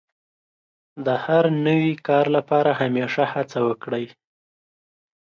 د هر نوي کار لپاره همېشه هڅه وکړئ.